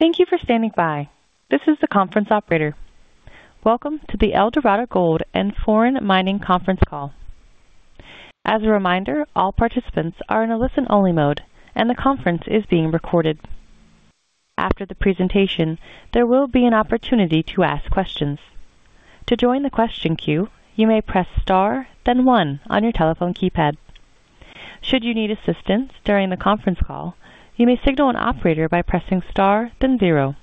Thank you for standing by. This is the conference operator. Welcome to the Eldorado Gold and Foran Mining Conference call. As a reminder, all participants are in a listen-only mode, and the conference is being recorded. After the presentation, there will be an opportunity to ask questions. To join the question queue, you may press * then 1 on your telephone keypad. Should you need assistance during the conference call, you may signal an operator by pressing * then 0.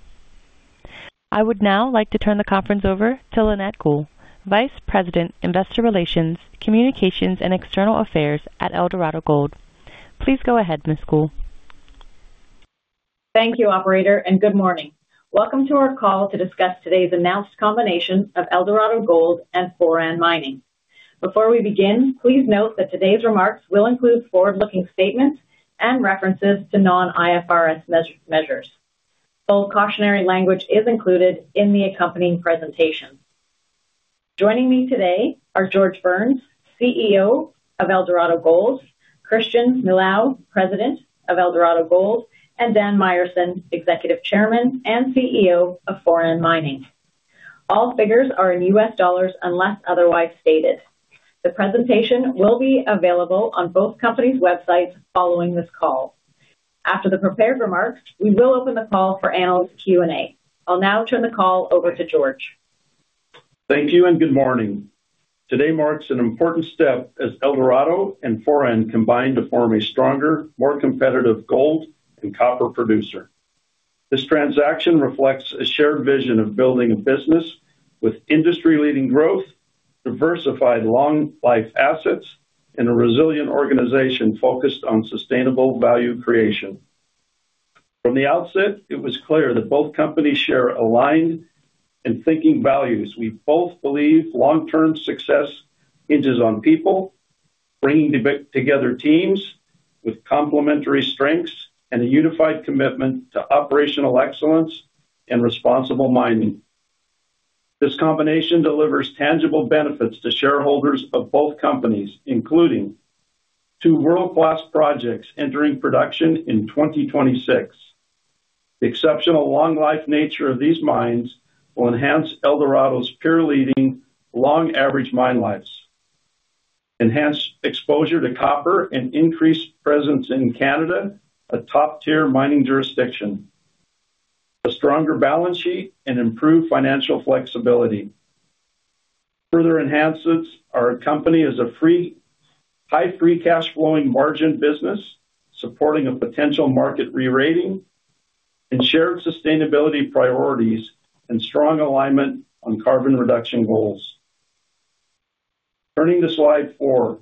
I would now like to turn the conference over to Lynette Gould, Vice President Investor Relations, Communications and External Affairs at Eldorado Gold. Please go ahead, Ms. Gould. Thank you, Operator, and good morning. Welcome to our call to discuss today's announced combination of Eldorado Gold and Foran Mining. Before we begin, please note that today's remarks will include forward-looking statements and references to Non-IFRS measures. Full cautionary language is included in the accompanying presentation. Joining me today are George Burns, CEO of Eldorado Gold, Christian Milau, President of Eldorado Gold, and Dan Myerson, Executive Chairman and CEO of Foran Mining. All figures are in U.S. dollars unless otherwise stated. The presentation will be available on both companies' websites following this call. After the prepared remarks, we will open the call for analyst Q&A. I'll now turn the call over to George. Thank you and good morning. Today marks an important step as Eldorado and Foran combine to form a stronger, more competitive gold and copper producer. This transaction reflects a shared vision of building a business with industry-leading growth, diversified long-life assets, and a resilient organization focused on sustainable value creation. From the outset, it was clear that both companies share aligned and thinking values. We both believe long-term success hinges on people, bringing together teams with complementary strengths and a unified commitment to operational excellence and responsible mining. This combination delivers tangible benefits to shareholders of both companies, including two world-class projects entering production in 2026. The exceptional long-life nature of these mines will enhance Eldorado's peer-leading long-average mine lives, enhance exposure to copper, and increase presence in Canada, a top-tier mining jurisdiction, a stronger balance sheet, and improved financial flexibility. Further enhances our company as a high free cash-flowing margin business, supporting a potential market rerating, and shared sustainability priorities, and strong alignment on carbon reduction goals. Turning to slide 4,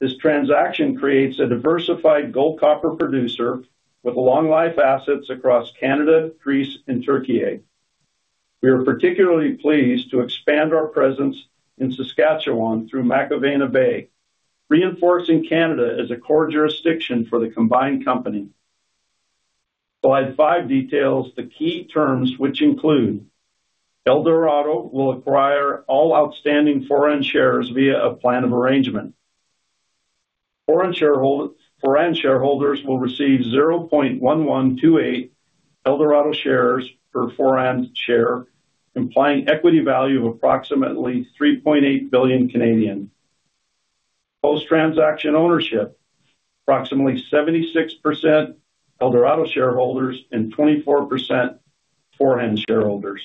this transaction creates a diversified gold copper producer with long-life assets across Canada, Greece, and Türkiye. We are particularly pleased to expand our presence in Saskatchewan through McIlvenna Bay, reinforcing Canada as a core jurisdiction for the combined company. Slide 5 details the key terms, which include: Eldorado will acquire all outstanding Foran shares via a plan of arrangement. Foran shareholders will receive 0.1128 Eldorado shares per Foran share, implying equity value of approximately 3.8 billion. Post-transaction ownership: approximately 76% Eldorado shareholders and 24% Foran shareholders.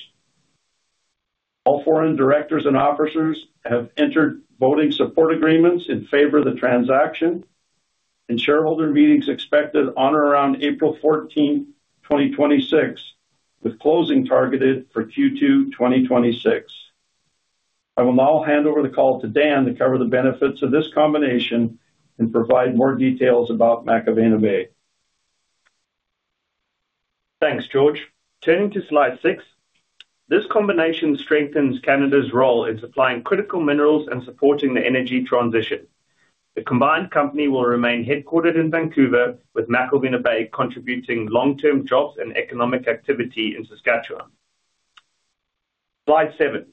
All Foran directors and officers have entered voting support agreements in favor of the transaction, and shareholder meetings expected on or around April 14, 2026, with closing targeted for Q2 2026. I will now hand over the call to Dan to cover the benefits of this combination and provide more details about McIlvenna Bay. Thanks, George. Turning to slide 6, this combination strengthens Canada's role in supplying critical minerals and supporting the energy transition. The combined company will remain headquartered in Vancouver, with McIlvenna Bay contributing long-term jobs and economic activity in Saskatchewan. Slide 7,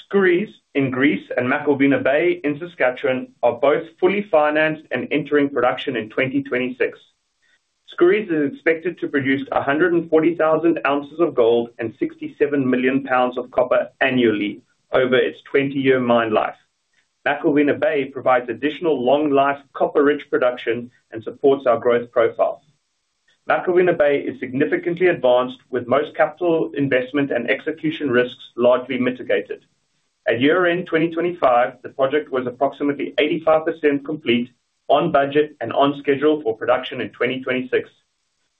Skouries in Greece and McIlvenna Bay in Saskatchewan are both fully financed and entering production in 2026. Skouries is expected to produce 140,000 ounces of gold and 67 million pounds of copper annually over its 20-year mine life. McIlvenna Bay provides additional long-life copper-rich production and supports our growth profile. McIlvenna Bay is significantly advanced, with most capital investment and execution risks largely mitigated. At year-end 2025, the project was approximately 85% complete, on budget and on schedule for production in 2026.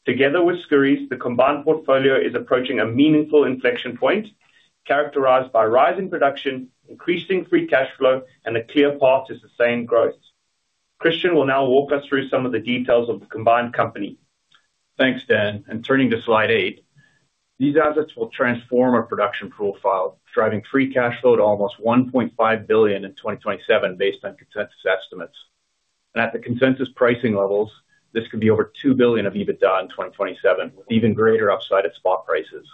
Together with Skouries, the combined portfolio is approaching a meaningful inflection point characterized by rising production, increasing free cash flow, and a clear path to sustained growth. Christian will now walk us through some of the details of the combined company. Thanks, Dan. Turning to slide 8, these assets will transform our production profile, driving free cash flow to almost $1.5 billion in 2027 based on consensus estimates. At the consensus pricing levels, this could be over $2 billion of EBITDA in 2027, with even greater upside at spot prices.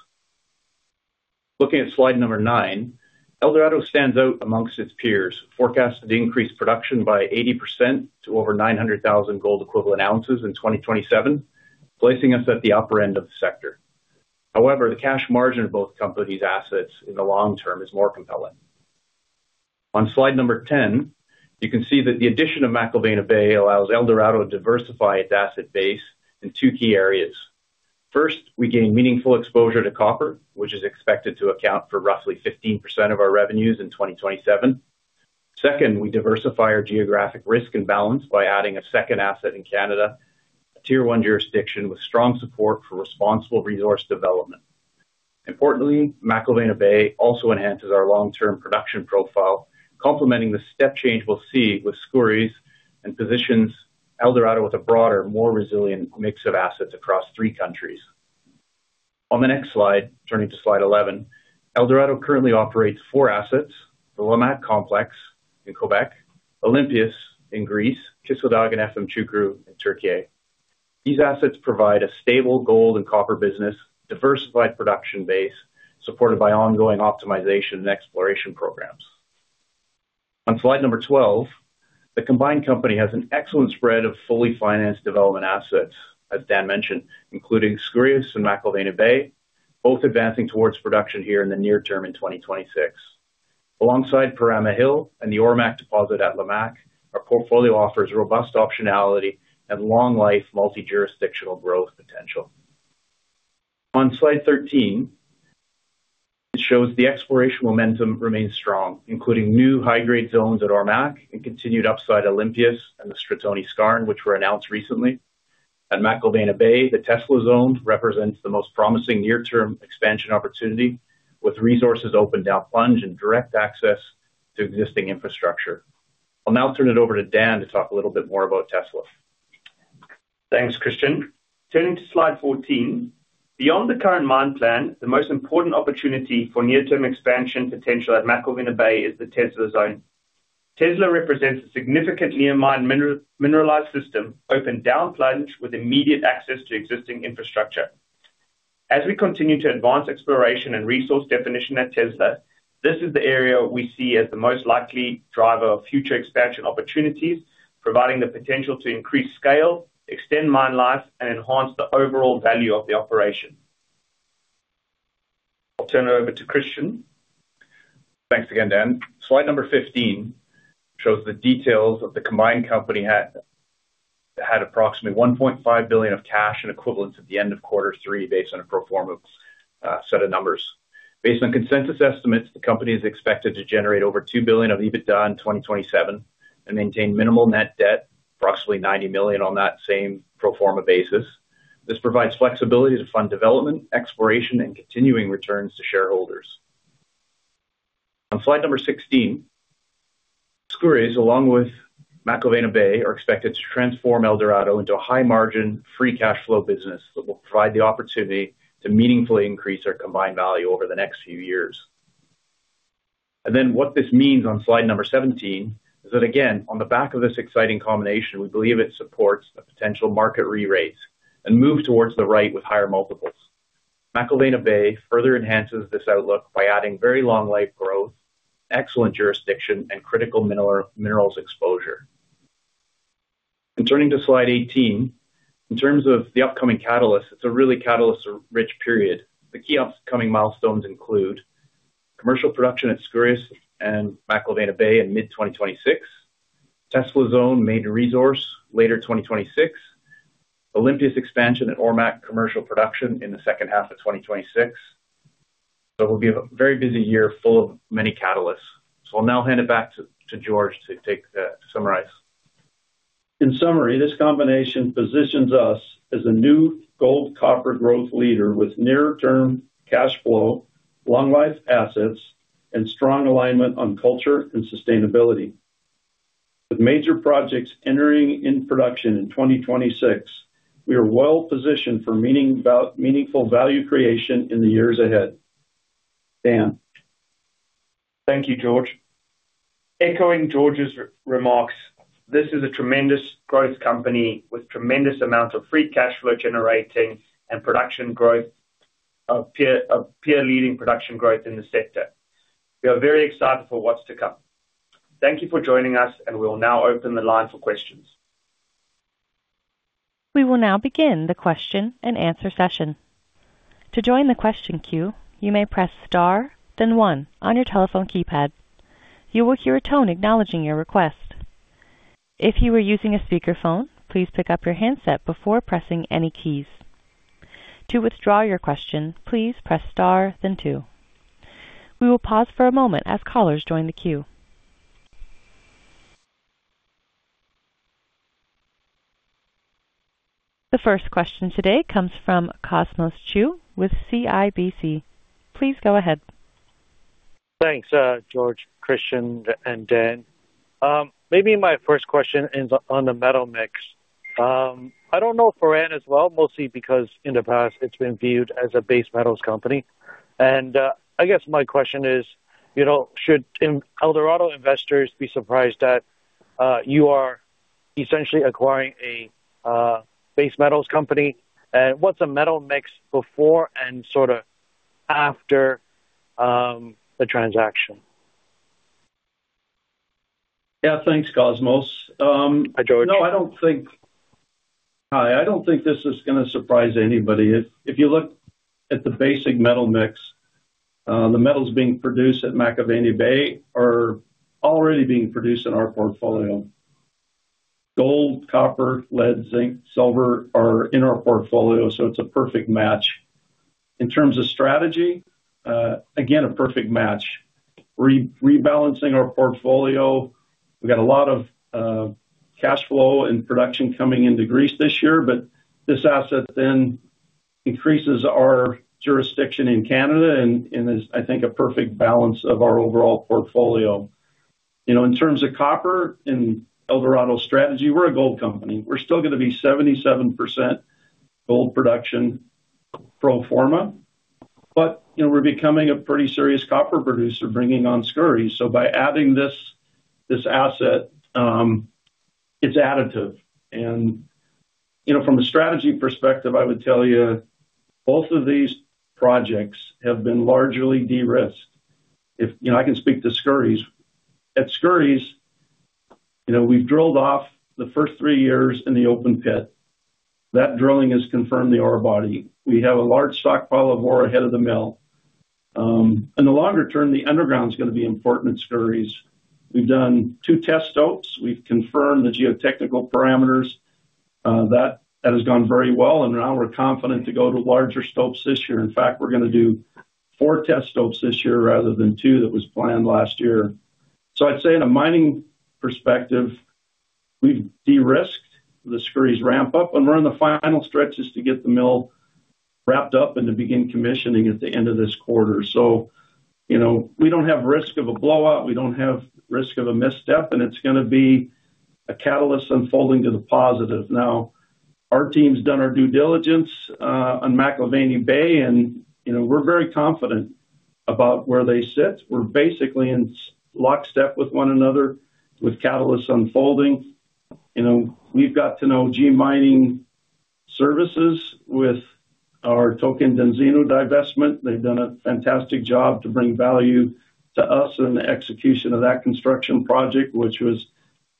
Looking at slide number 9, Eldorado stands out among its peers, forecasting to increase production by 80% to over 900,000 gold equivalent ounces in 2027, placing us at the upper end of the sector. However, the cash margin of both companies' assets in the long term is more compelling. On slide number 10, you can see that the addition of McIlvenna Bay allows Eldorado to diversify its asset base in two key areas. First, we gain meaningful exposure to copper, which is expected to account for roughly 15% of our revenues in 2027. Second, we diversify our geographic risk and balance by adding a second asset in Canada, a tier one jurisdiction with strong support for responsible resource development. Importantly, McIlvenna Bay also enhances our long-term production profile, complementing the step change we'll see with Skouries and positions Eldorado with a broader, more resilient mix of assets across three countries. On the next slide, turning to slide 11, Eldorado currently operates four assets: the Lamaque Complex in Quebec, Olympias in Greece, Kışladağ, Efemçukuru in Türkiye. These assets provide a stable gold and copper business, diversified production base, supported by ongoing optimization and exploration programs. On slide number 12, the combined company has an excellent spread of fully financed development assets, as Dan mentioned, including Skouries and McIlvenna Bay, both advancing towards production here in the near term in 2026. Alongside Perama Hill and the Ormaque deposit at Lamaque, our portfolio offers robust optionality and long-life multi-jurisdictional growth potential. On slide 13, it shows the exploration momentum remains strong, including new high-grade zones at Ormaque and continued upside Olympias and the Stratoni Skarn, which were announced recently. At McIlvenna Bay, the Tesla zone represents the most promising near-term expansion opportunity, with resources opened down plunge and direct access to existing infrastructure. I'll now turn it over to Dan to talk a little bit more about Tesla. Thanks, Christian. Turning to slide 14, beyond the current mine plan, the most important opportunity for near-term expansion potential at McIlvenna Bay is the Tesla Zone. Tesla represents a significant near-mine mineralized system opened down plunge with immediate access to existing infrastructure. As we continue to advance exploration and resource definition at Tesla, this is the area we see as the most likely driver of future expansion opportunities, providing the potential to increase scale, extend mine life, and enhance the overall value of the operation. I'll turn it over to Christian. Thanks again, Dan. Slide number 15 shows the details of the combined company. It had approximately $1.5 billion of cash and equivalents at the end of quarter three based on a pro forma set of numbers. Based on consensus estimates, the company is expected to generate over $2 billion of EBITDA in 2027 and maintain minimal net debt, approximately $90 million on that same pro forma basis. This provides flexibility to fund development, exploration, and continuing returns to shareholders. On slide number 16, Skouries, along with McIlvenna Bay, are expected to transform Eldorado into a high-margin, free cash flow business that will provide the opportunity to meaningfully increase our combined value over the next few years. What this means on slide 17 is that, again, on the back of this exciting combination, we believe it supports the potential market rerates and move toward the right with higher multiples. McIlvenna Bay further enhances this outlook by adding very long-life growth, excellent jurisdiction, and critical minerals exposure. Turning to slide 18, in terms of the upcoming catalysts, it's a really catalyst-rich period. The key upcoming milestones include commercial production at Skouries and McIlvenna Bay in mid-2026, Tesla Zone maiden resource later 2026, Olympias expansion and Ormaque commercial production in the second half of 2026. It will be a very busy year full of many catalysts. I'll now hand it back to George to summarize. In summary, this combination positions us as a new gold copper growth leader with near-term cash flow, long-life assets, and strong alignment on culture and sustainability. With major projects entering production in 2026, we are well positioned for meaningful value creation in the years ahead. Dan. Thank you, George. Echoing George's remarks, this is a tremendous growth company with tremendous amounts of free cash flow generating and peer-leading production growth in the sector. We are very excited for what's to come. Thank you for joining us, and we will now open the line for questions. We will now begin the question and answer session. To join the question queue, you may press star, then 1, on your telephone keypad. You will hear a tone acknowledging your request. If you are using a speakerphone, please pick up your handset before pressing any keys. To withdraw your question, please press star, then 2. We will pause for a moment as callers join the queue. The first question today comes from Cosmos Chiu with CIBC. Please go ahead. Thanks, George, Christian, and Dan. Maybe my first question is on the metal mix. I don't know, for one, as well, mostly because in the past it's been viewed as a base metals company. And I guess my question is, should Eldorado investors be surprised that you are essentially acquiring a base metals company? And what's a metal mix before and sort of after the transaction? Yeah, thanks, Cosmos. Hi, George. No, I don't think this is going to surprise anybody. If you look at the basic metal mix, the metals being produced at McIlvenna Bay are already being produced in our portfolio. Gold, copper, lead, zinc, silver are in our portfolio, so it's a perfect match. In terms of strategy, again, a perfect match. Rebalancing our portfolio, we've got a lot of cash flow and production coming into Greece this year, but this asset then increases our jurisdiction in Canada and is, I think, a perfect balance of our overall portfolio. In terms of copper in Eldorado's strategy, we're a gold company. We're still going to be 77% gold production pro forma, but we're becoming a pretty serious copper producer, bringing on Skouries. So by adding this asset, it's additive. From a strategy perspective, I would tell you, both of these projects have been largely de-risked. I can speak to Skouries. At Skouries, we've drilled off the first three years in the open pit. That drilling has confirmed the ore body. We have a large stockpile of ore ahead of the mill. In the longer term, the underground is going to be important at Skouries. We've done two test stopes. We've confirmed the geotechnical parameters. That has gone very well, and now we're confident to go to larger stopes this year. In fact, we're going to do four test stopes this year rather than two that was planned last year. So I'd say, in a mining perspective, we've de-risked the Skouries ramp-up, and we're in the final stretches to get the mill wrapped up and to begin commissioning at the end of this quarter. So we don't have risk of a blowout. We don't have risk of a misstep, and it's going to be a catalyst unfolding to the positive. Now, our team's done our due diligence on McIlvenna Bay, and we're very confident about where they sit. We're basically in lockstep with one another with catalysts unfolding. We've got to know G Mining Services with our Tocantinzinho divestment. They've done a fantastic job to bring value to us and the execution of that construction project, which was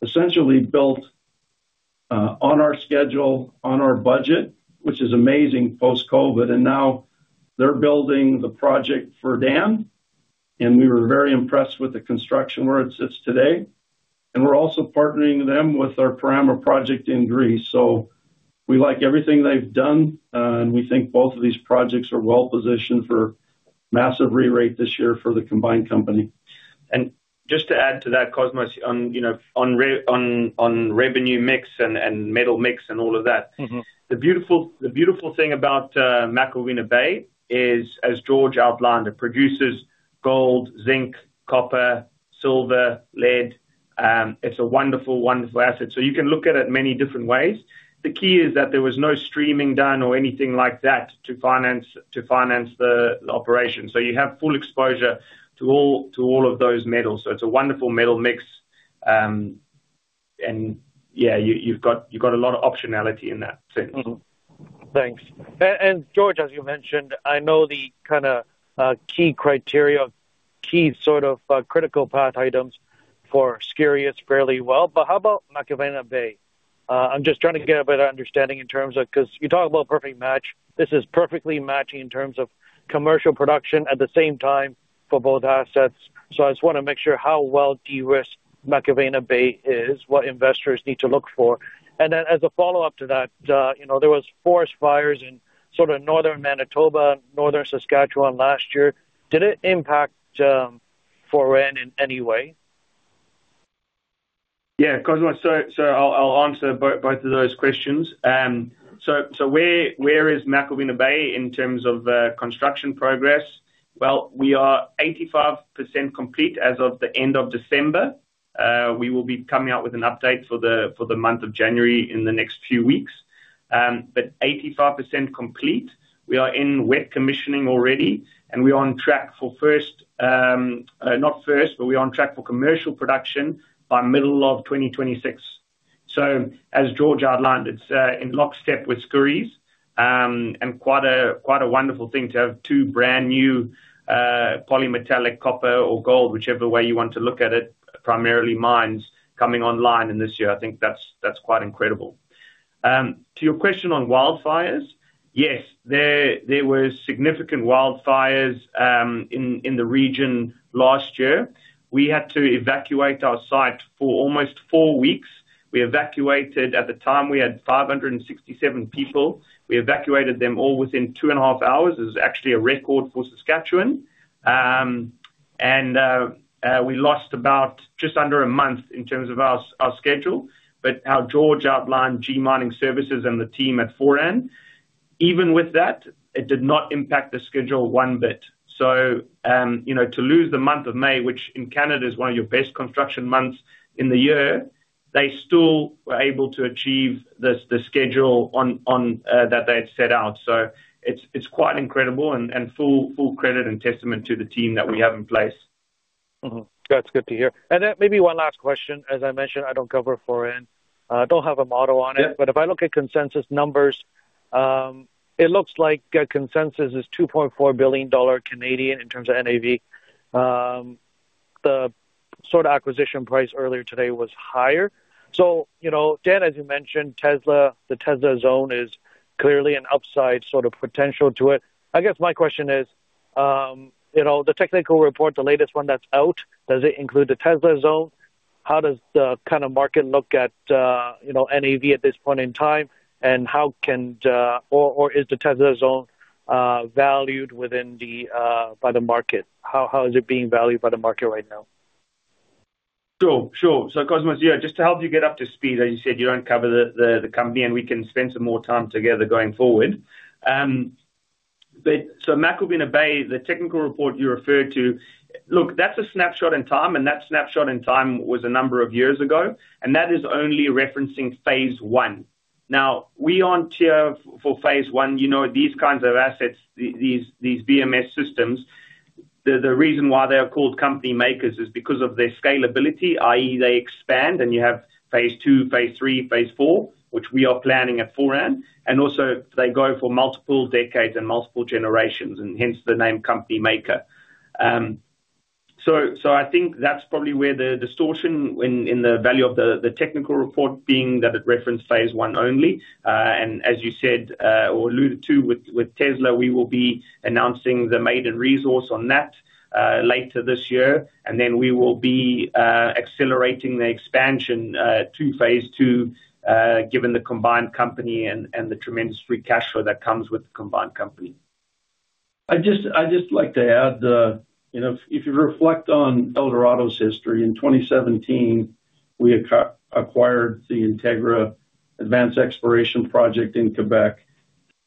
essentially built on our schedule, on our budget, which is amazing post-COVID. And now they're building the project for Dan, and we were very impressed with the construction where it sits today. And we're also partnering them with our Perama project in Greece. So we like everything they've done, and we think both of these projects are well positioned for massive rerate this year for the combined company. And just to add to that, Cosmos, on revenue mix and metal mix and all of that, the beautiful thing about McIlvenna Bay is, as George outlined, it produces gold, zinc, copper, silver, lead. It's a wonderful, wonderful asset. So you can look at it many different ways. The key is that there was no streaming done or anything like that to finance the operation. So you have full exposure to all of those metals. So it's a wonderful metal mix. And yeah, you've got a lot of optionality in that sense. Thanks. And George, as you mentioned, I know the kind of key criteria, key sort of critical path items for Skouries fairly well. But how about McIlvenna Bay? I'm just trying to get a better understanding in terms of because you talk about perfect match. This is perfectly matching in terms of commercial production at the same time for both assets. So I just want to make sure how well de-risked McIlvenna Bay is, what investors need to look for. And then as a follow-up to that, there was forest fires in sort of northern Manitoba, northern Saskatchewan last year. Did it impact Foran in any way? Yeah, Cosmos, so I'll answer both of those questions. So where is McIlvenna Bay in terms of construction progress? Well, we are 85% complete as of the end of December. We will be coming out with an update for the month of January in the next few weeks. But 85% complete. We are in wet commissioning already, and we're on track for first not first, but we're on track for commercial production by middle of 2026. So as George outlined, it's in lockstep with Skouries, and quite a wonderful thing to have two brand new polymetallic copper or gold, whichever way you want to look at it, primarily mines, coming online in this year. I think that's quite incredible. To your question on wildfires, yes, there were significant wildfires in the region last year. We had to evacuate our site for almost four weeks. We evacuated at the time; we had 567 people. We evacuated them all within 2.5 hours. It was actually a record for Saskatchewan. We lost about just under a month in terms of our schedule. But how George outlined, G Mining Services and the team at Foran, even with that, it did not impact the schedule one bit. To lose the month of May, which in Canada is one of your best construction months in the year, they still were able to achieve the schedule that they had set out. It's quite incredible and full credit and testament to the team that we have in place. That's good to hear. And then maybe one last question. As I mentioned, I don't cover Foran. I don't have a model on it. But if I look at consensus numbers, it looks like consensus is 2.4 billion Canadian dollars in terms of NAV. The sort of acquisition price earlier today was higher. So Dan, as you mentioned, Tesla Zone, the Tesla Zone is clearly an upside sort of potential to it. I guess my question is, the technical report, the latest one that's out, does it include the Tesla Zone? How does the kind of market look at NAV at this point in time, and how can or is the Tesla Zone valued within the by the market? How is it being valued by the market right now? Sure, sure. So Cosmos, yeah, just to help you get up to speed, as you said, you don't cover the company, and we can spend some more time together going forward. So McIlvenna Bay, the technical report you referred to, look, that's a snapshot in time, and that snapshot in time was a number of years ago, and that is only referencing phase one. Now, we're on track for phase one, these kinds of assets, these VMS systems, the reason why they are called company makers is because of their scalability, i.e., they expand, and you have phase two, phase three, phase four, which we are planning at Foran. And also, they go for multiple decades and multiple generations, and hence the name company maker. So I think that's probably where the distortion in the value of the technical report being that it referenced phase one only. As you said or alluded to with Tesla, we will be announcing the maiden resource on that later this year. Then we will be accelerating the expansion to phase two given the combined company and the tremendous free cash flow that comes with the combined company. I'd just like to add, if you reflect on Eldorado's history, in 2017, we acquired the Integra Advanced Exploration Project in Quebec.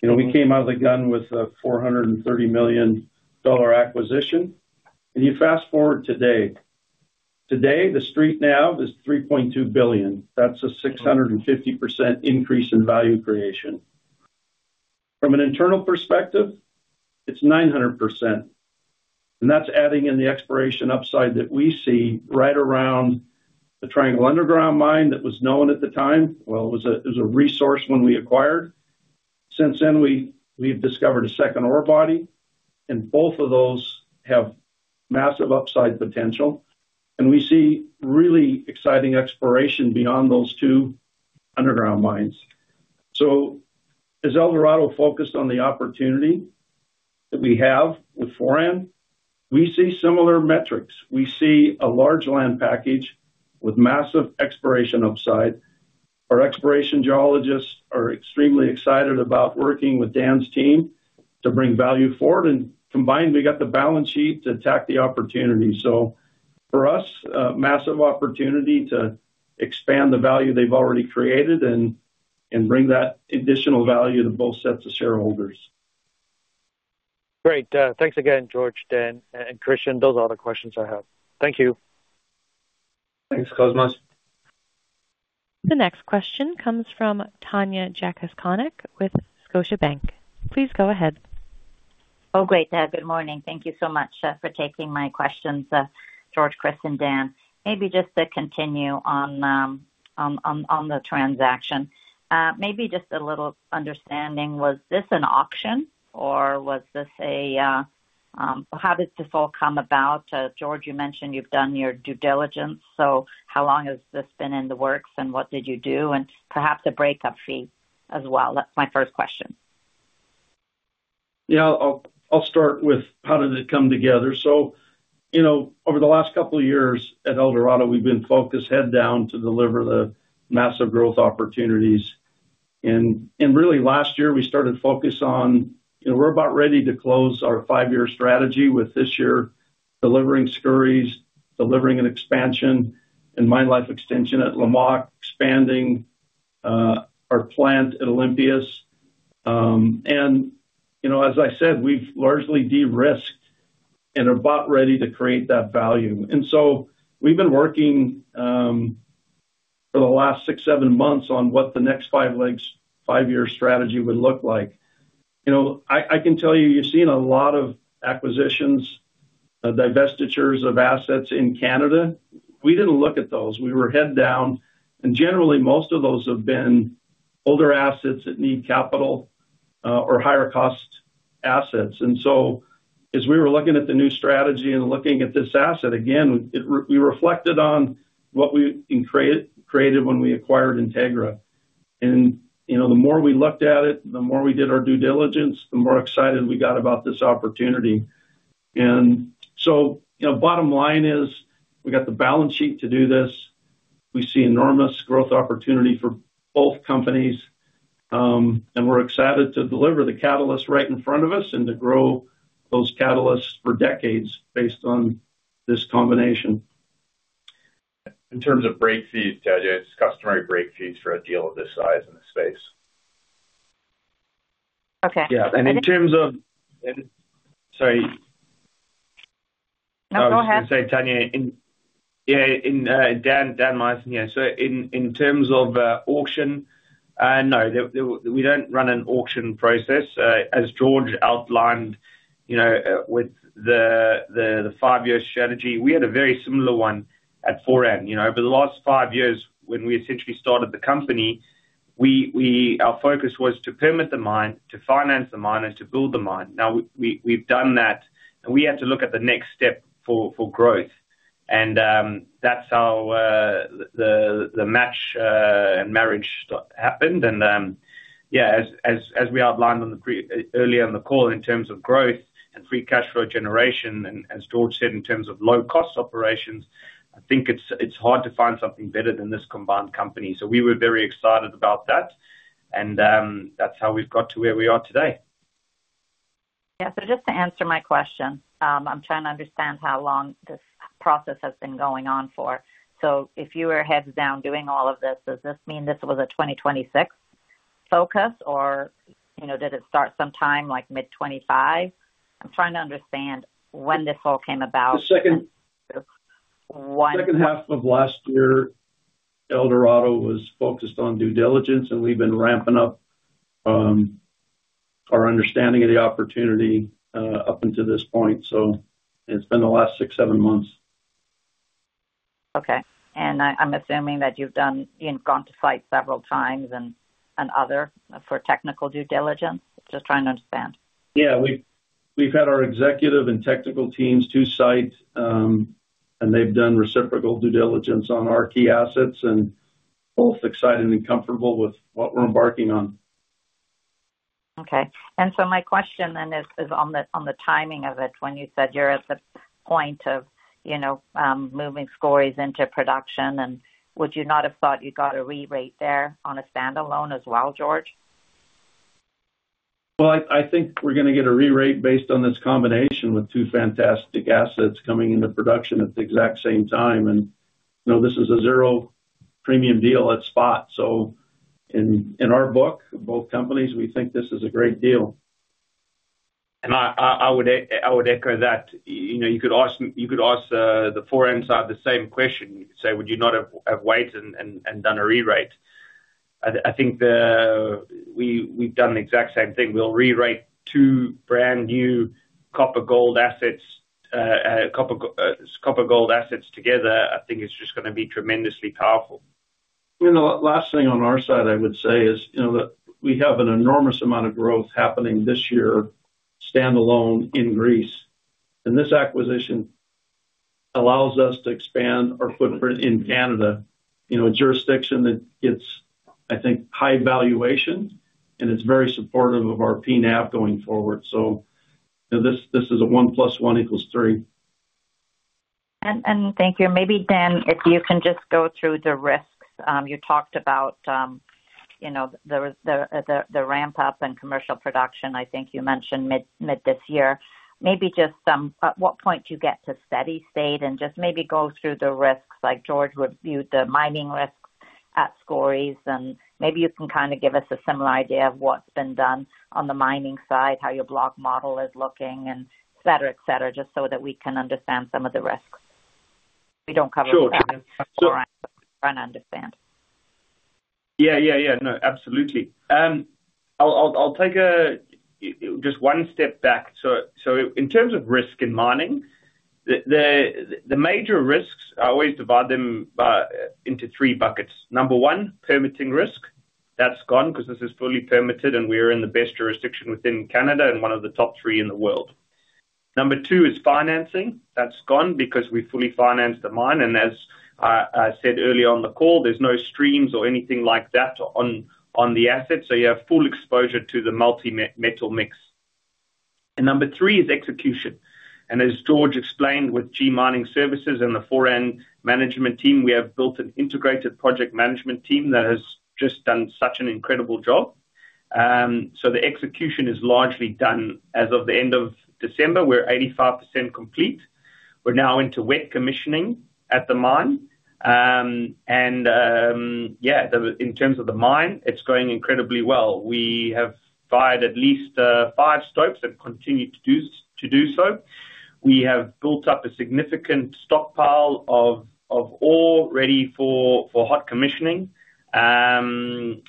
We came out of the gate with a $430 million acquisition. And you fast-forward today. Today, the street now is $3.2 billion. That's a 650% increase in value creation. From an internal perspective, it's 900%. And that's adding in the exploration upside that we see right around the Triangle Underground Mine that was known at the time. Well, it was a resource when we acquired. Since then, we've discovered a second ore body, and both of those have massive upside potential. And we see really exciting exploration beyond those two underground mines. So as Eldorado focused on the opportunity that we have with Foran, we see similar metrics. We see a large land package with massive exploration upside. Our exploration geologists are extremely excited about working with Dan's team to bring value forward. Combined, we got the balance sheet to attack the opportunity. For us, massive opportunity to expand the value they've already created and bring that additional value to both sets of shareholders. Great. Thanks again, George, Dan, and Christian. Those are all the questions I have. Thank you. Thanks, Cosmos. The next question comes from Tanya Jakusconek with Scotiabank. Please go ahead. Oh, great, Dan. Good morning. Thank you so much for taking my questions, George, Chris, and Dan. Maybe just to continue on the transaction. Maybe just a little understanding. Was this an auction, or was this a—how did this all come about? George, you mentioned you've done your due diligence. So how long has this been in the works, and what did you do? And perhaps a breakup fee as well. That's my first question. Yeah, I'll start with how did it come together. So over the last couple of years at Eldorado, we've been focused head down to deliver the massive growth opportunities. And really, last year, we started focus on we're about ready to close our five-year strategy with this year delivering Skouries, delivering an expansion and mine life extension at Lamaque, expanding our plant at Olympias. And as I said, we've largely de-risked and are about ready to create that value. And so we've been working for the last six, seven months on what the next five-year strategy would look like. I can tell you, you've seen a lot of acquisitions, divestitures of assets in Canada. We didn't look at those. We were head down. And generally, most of those have been older assets that need capital or higher-cost assets. And so as we were looking at the new strategy and looking at this asset, again, we reflected on what we created when we acquired Integra. And the more we looked at it, the more we did our due diligence, the more excited we got about this opportunity. And so bottom line is, we got the balance sheet to do this. We see enormous growth opportunity for both companies. And we're excited to deliver the catalyst right in front of us and to grow those catalysts for decades based on this combination. In terms of break fees, Tanya, it's customary break fees for a deal of this size in the space. Okay. Yeah. And in terms of sorry. No, go ahead. I was going to say, Tanya. Yeah, Dan Myerson, yeah. So in terms of auction, no, we don't run an auction process. As George outlined with the five-year strategy, we had a very similar one at Foran. Over the last five years, when we essentially started the company, our focus was to permit the mine, to finance the mine, and to build the mine. Now, we've done that, and we had to look at the next step for growth. And that's how the match and marriage happened. And yeah, as we outlined earlier on the call in terms of growth and free cash flow generation, as George said, in terms of low-cost operations, I think it's hard to find something better than this combined company. So we were very excited about that. And that's how we've got to where we are today. Yeah. So just to answer my question, I'm trying to understand how long this process has been going on for. So if you were heads down doing all of this, does this mean this was a 2026 focus, or did it start sometime like mid-2025? I'm trying to understand when this all came about. The second half of last year, Eldorado was focused on due diligence, and we've been ramping up our understanding of the opportunity up until this point. It's been the last six, seven months. Okay. I'm assuming that you've gone to sites several times and other for technical due diligence. Just trying to understand. Yeah. We've had our executive and technical teams to site, and they've done reciprocal due diligence on our key assets and both excited and comfortable with what we're embarking on. Okay. And so my question then is on the timing of it. When you said you're at the point of moving Skouries into production, would you not have thought you got a rerate there on a standalone as well, George? Well, I think we're going to get a rerate based on this combination with two fantastic assets coming into production at the exact same time. And this is a zero premium deal at spot. So in our book, both companies, we think this is a great deal. I would echo that. You could ask the Foran side the same question. You could say, "Would you not have waited and done a rerate?" I think we've done the exact same thing. We'll rerate two brand new copper-gold assets. Copper-gold assets together, I think, is just going to be tremendously powerful. Last thing on our side, I would say is that we have an enormous amount of growth happening this year standalone in Greece. This acquisition allows us to expand our footprint in Canada, a jurisdiction that gets, I think, high valuation, and it's very supportive of our P/NAV going forward. This is a one plus one equals three. Thank you. Maybe, Dan, if you can just go through the risks. You talked about the ramp-up and commercial production. I think you mentioned mid this year. Maybe just at what point do you get to steady state and just maybe go through the risks? George reviewed the mining risks at Skouries, and maybe you can kind of give us a similar idea of what's been done on the mining side, how your block model is looking, etc., etc., just so that we can understand some of the risks. We don't cover all that. Sure. Yeah. Sure. Foran. Trying to understand. Yeah, yeah, yeah. No, absolutely. I'll take just one step back. So in terms of risk in mining, the major risks, I always divide them into three buckets. Number one, permitting risk. That's gone because this is fully permitted, and we are in the best jurisdiction within Canada and one of the top three in the world. Number two is financing. That's gone because we fully finance the mine. And as I said earlier on the call, there's no streams or anything like that on the asset. So you have full exposure to the multi-metal mix. And number three is execution. And as George explained with G Mining Services and the Foran management team, we have built an integrated project management team that has just done such an incredible job. So the execution is largely done. As of the end of December, we're 85% complete. We're now into wet commissioning at the mine. Yeah, in terms of the mine, it's going incredibly well. We have fired at least five stopes and continued to do so. We have built up a significant stockpile of ore ready for hot commissioning, over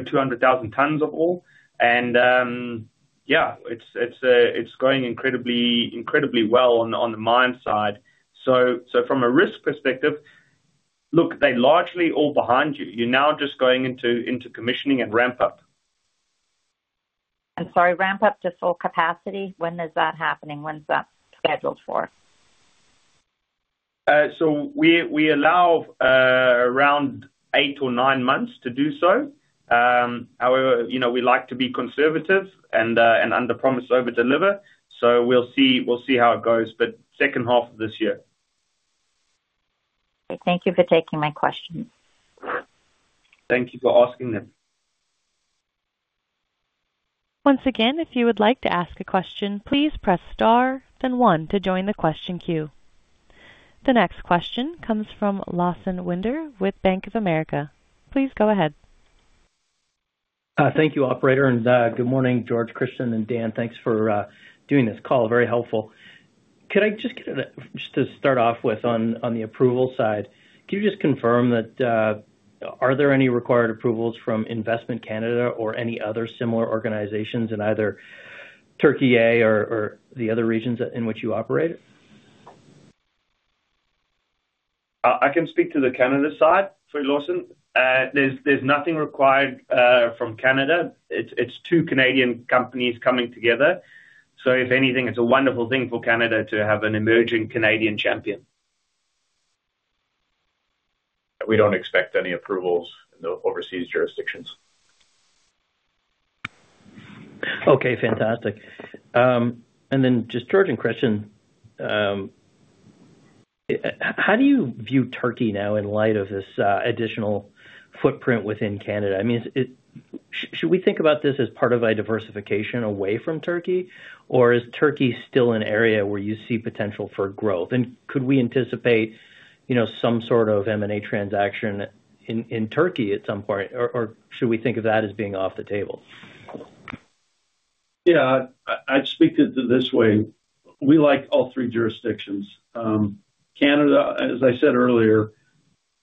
200,000 tons of ore. Yeah, it's going incredibly well on the mine side. So from a risk perspective, look, they're largely all behind you. You're now just going into commissioning and ramp-up. I'm sorry, ramp-up to full capacity. When is that happening? When's that scheduled for? We allow around 8 or 9 months to do so. However, we like to be conservative and under promise over deliver. We'll see how it goes, but second half of this year. Thank you for taking my question. Thank you for asking them. Once again, if you would like to ask a question, please press star, then one to join the question queue. The next question comes from Lawson Winder with Bank of America. Please go ahead. Thank you, operator. Good morning, George, Christian, and Dan. Thanks for doing this call. Very helpful. Could I just get just to start off with, on the approval side, can you just confirm that are there any required approvals from Investment Canada or any other similar organizations in either Turkey or the other regions in which you operate? I can speak to the Canada side for Lawson. There's nothing required from Canada. It's two Canadian companies coming together. So if anything, it's a wonderful thing for Canada to have an emerging Canadian champion. We don't expect any approvals in the overseas jurisdictions. Okay. Fantastic. And then just George and Christian, how do you view Turkey now in light of this additional footprint within Canada? I mean, should we think about this as part of a diversification away from Turkey, or is Turkey still an area where you see potential for growth? And could we anticipate some sort of M&A transaction in Turkey at some point, or should we think of that as being off the table? Yeah. I'd speak to it this way. We like all three jurisdictions. Canada, as I said earlier,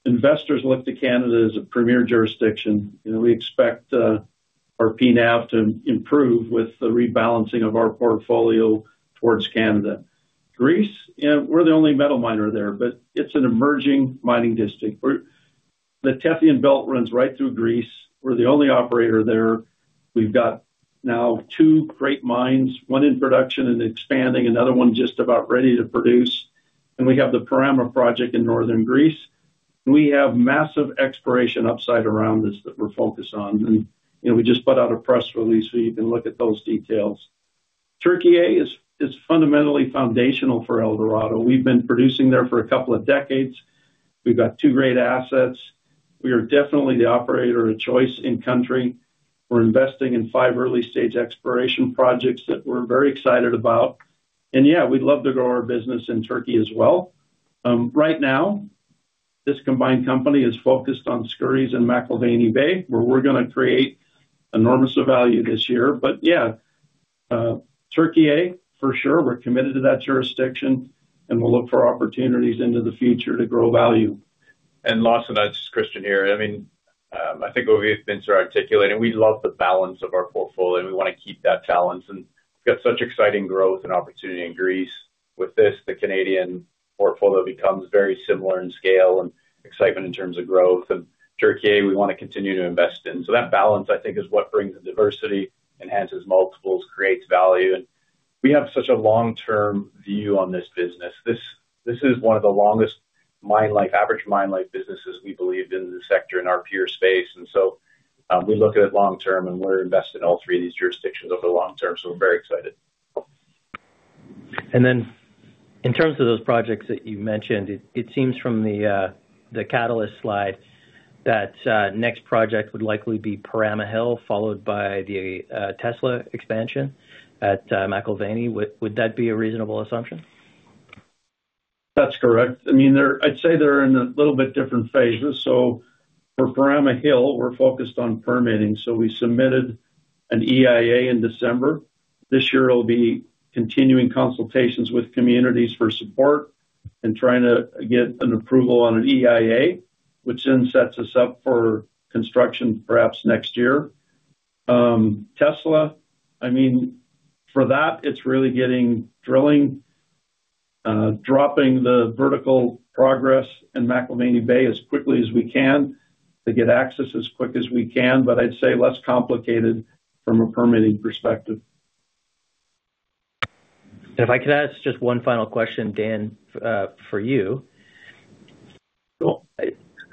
investors look to Canada as a premier jurisdiction. We expect our P/NAV to improve with the rebalancing of our portfolio towards Canada. Greece, we're the only metal miner there, but it's an emerging mining district. The Tethyan Belt runs right through Greece. We're the only operator there. We've got now two great mines, one in production and expanding, another one just about ready to produce. And we have the Perama project in northern Greece. We have massive exploration upside around this that we're focused on. And we just put out a press release, so you can look at those details. Türkiye, as is fundamentally foundational for Eldorado. We've been producing there for a couple of decades. We've got two great assets. We are definitely the operator of choice in-country. We're investing in five early-stage exploration projects that we're very excited about. And yeah, we'd love to grow our business in Turkey as well. Right now, this combined company is focused on Skouries and McIlvenna Bay, where we're going to create enormous value this year. But yeah, Türkiye, for sure, we're committed to that jurisdiction, and we'll look for opportunities into the future to grow value. Lawson, that's Christian here. I mean, I think what we've been sort of articulating, we love the balance of our portfolio, and we want to keep that balance. We've got such exciting growth and opportunity in Greece. With this, the Canadian portfolio becomes very similar in scale and excitement in terms of growth. And Turkey, yeah, we want to continue to invest in. So that balance, I think, is what brings the diversity, enhances multiples, creates value. We have such a long-term view on this business. This is one of the longest mine life, average mine life businesses we believe in the sector in our peer space. So we look at it long-term, and we're invested in all three of these jurisdictions over the long term. We're very excited. In terms of those projects that you mentioned, it seems from the catalyst slide that next project would likely be Perama Hill, followed by the Tesla expansion at McIlvenna Bay. Would that be a reasonable assumption? That's correct. I mean, I'd say they're in a little bit different phases. So for Perama Hill, we're focused on permitting. So we submitted an EIA in December. This year, it'll be continuing consultations with communities for support and trying to get an approval on an EIA, which then sets us up for construction perhaps next year. Tesla Zone, I mean, for that, it's really getting drilling, dropping the vertical progress in McIlvenna Bay as quickly as we can to get access as quick as we can, but I'd say less complicated from a permitting perspective. If I could ask just one final question, Dan, for you.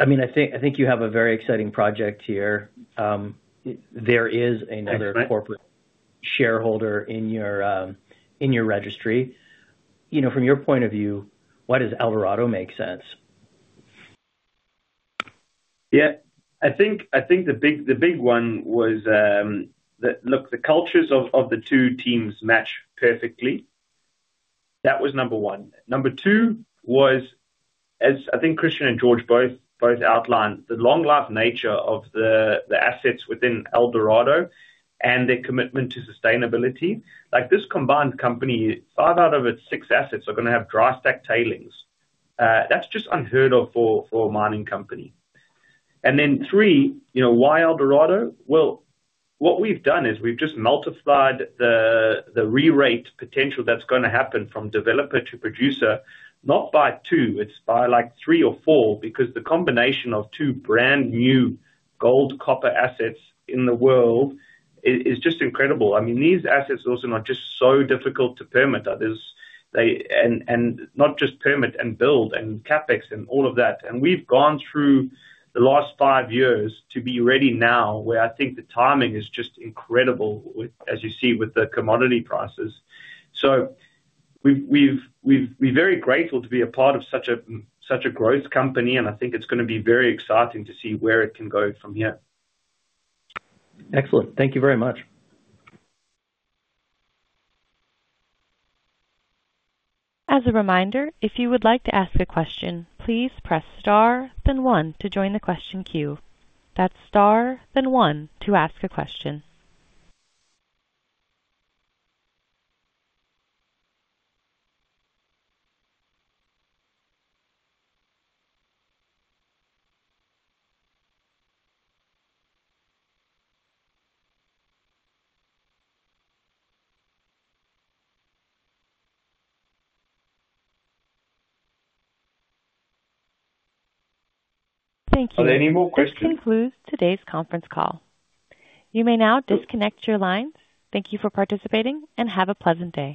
I mean, I think you have a very exciting project here. There is another corporate shareholder in your registry. From your point of view, why does Eldorado make sense? Yeah. I think the big one was that, look, the cultures of the two teams match perfectly. That was number one. Number two was, as I think Christian and George both outlined, the long-life nature of the assets within Eldorado and their commitment to sustainability. This combined company, 5 out of its 6 assets are going to have dry stack tailings. That's just unheard of for a mining company. And then three, why Eldorado? Well, what we've done is we've just multiplied the rerate potential that's going to happen from developer to producer, not by two. It's by like three or four because the combination of two brand new gold copper assets in the world is just incredible. I mean, these assets are also not just so difficult to permit. And not just permit and build and CapEx and all of that. We've gone through the last five years to be ready now where I think the timing is just incredible, as you see, with the commodity prices. We're very grateful to be a part of such a growth company, and I think it's going to be very exciting to see where it can go from here. Excellent. Thank you very much. As a reminder, if you would like to ask a question, please press star, then one to join the question queue. That's star, then one to ask a question. Thank you. Are there any more questions? This concludes today's conference call. You may now disconnect your lines. Thank you for participating, and have a pleasant day.